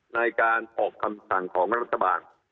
ในการออกคำสั่งของรัฐบาล